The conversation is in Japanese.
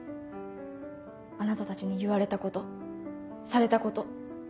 あなたたちに言われたことされたこと。